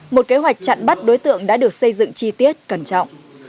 một kế hoạch chặn bắt đối tượng đã được xây dựng chi tiết cẩn trọng